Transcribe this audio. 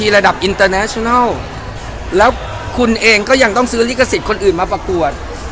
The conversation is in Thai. แล้วก็สิทธิ์คนอื่นมาประกวด